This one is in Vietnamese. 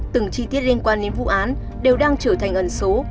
từng chi tiết liên quan đến vụ án đều đang trở thành ẩn số